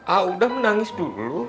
aa udah menangis dulu